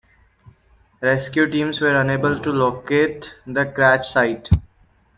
Rescue teams were unable to locate the crash site.